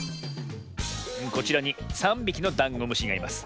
こちらに３びきのダンゴムシがいます。